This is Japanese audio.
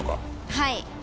はい。